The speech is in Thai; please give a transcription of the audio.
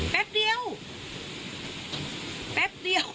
แป๊บเดียวแป๊บเดียว